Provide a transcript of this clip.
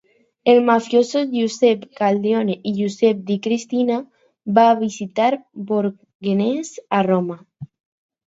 Els mafiosos Giuseppe Calderone i Giuseppe Di Cristina van visitar Borghese a Roma.